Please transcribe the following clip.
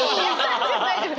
大丈夫！